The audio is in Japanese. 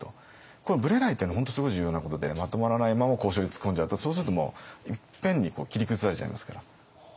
このブレないっていうのが本当すごい重要なことでまとまらないまま交渉に突っ込んじゃうとそうするともういっぺんに切り崩されちゃいますから。